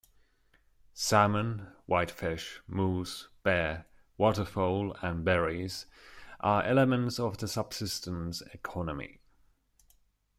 Salmon, whitefish, moose, bear, waterfowl and berries are elements of the subsistence economy.